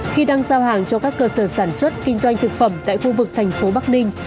khi đang giao hàng cho các cơ sở sản xuất kinh doanh thực phẩm tại khu vực thành phố bắc ninh